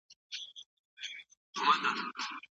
که حضوري ښوونه دوام وکړي، نو زده کړه ژوره وي.